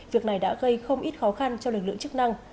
việc này đã gây không ít khó khăn cho lực lượng chức năng